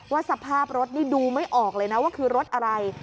สภาพรถนี่ดูไม่ออกเลยนะว่าคือรถอะไร